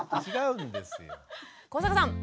古坂さん。